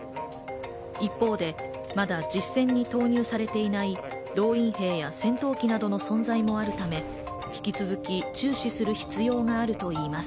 一方でまだ実戦に投入されていない動員兵や戦闘機などの存在もあるため、引き続き注視する必要があるといいます。